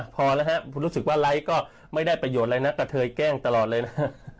พอแล้วครับคุณรู้สึกว่าไร้ก็ไม่ได้ประโยชน์อะไรนะกระเทยแกล้งตลอดเลยนะ